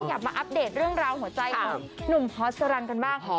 อยากมาอัปเดตเรื่องราวหัวใจของหนุ่มพอสรรค์กันบ้าง